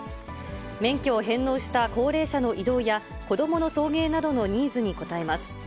免許を返納した高齢者の移動や子どもの送迎などのニーズに応えます。